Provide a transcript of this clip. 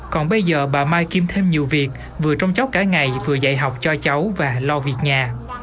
còn bây giờ bà mai kiếm thêm nhiều việc vừa trông chóc cả ngày vừa dạy học cho cháu và lo việc nhà